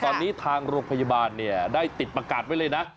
ตอนนี้ทางโรงพยาบาลได้ติดประกาศไว้เลยนะ